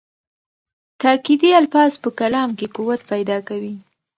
تاکېدي الفاظ په کلام کې قوت پیدا کوي.